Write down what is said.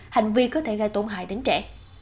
hành vi có thể gây tổn hại đến trẻ